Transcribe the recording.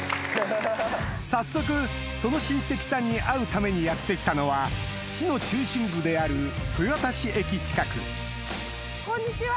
早速その親戚さんに会うためにやって来たのは市の中心部である豊田市駅近くこんにちは。